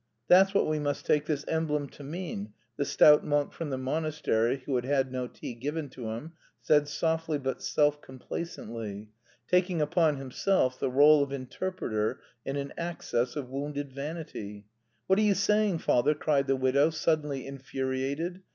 That's what we must take this emblem to mean," the stout monk from the monastery, who had had no tea given to him, said softly but self complacently, taking upon himself the rôle of interpreter in an access of wounded vanity. "What are you saying, father?" cried the widow, suddenly infuriated.